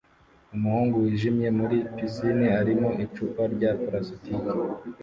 Umuhungu wijimye muri pisine arimo icupa rya plastiki